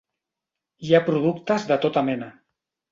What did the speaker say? Hi ha productes de tota mena.